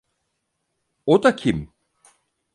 O da kim?